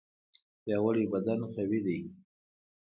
پیاوړی بدن قوي دی.